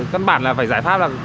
cân bản là phải giải pháp là